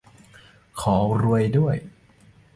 ขอรวยด้วย